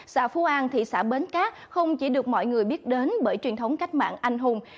xã phú an thị xã bến cát không chỉ được mọi người biết đến bởi truyền thống cách mạng anh hùng